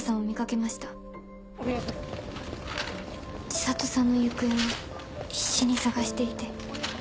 知里さんの行方を必死に捜していて。